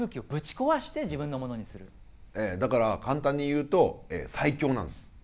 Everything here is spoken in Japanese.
ええだから簡単に言うと最強なんです。